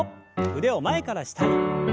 腕を前から下に。